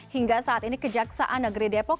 hingga saat ini kejaksaan negeri depok